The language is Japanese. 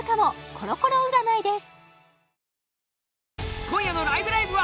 コロコロ占いです